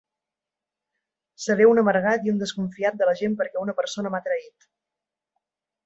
Seré un amargat i un desconfiat de la gent perquè una persona m'ha traït.